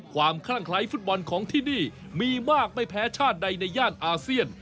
ความคลั่งไคร้ฟุตบอลของที่นี่มีมากไม่แพ้ชาติใดในย่านอาเซียน